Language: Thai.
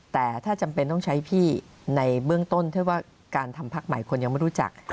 แต่ถ้าจำเป็นต้องใช้พี่ในเบื้องต้นถ้าว่าการทำพักใหม่คนยังไม่รู้จัก